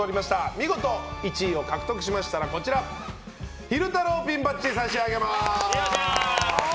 見事１位を獲得しましたら昼太郎ピンバッジを差し上げます。